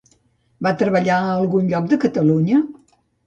Va treballar a algun lloc de Catalunya?